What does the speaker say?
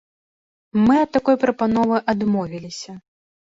Мы ад такой прапановы адмовіліся.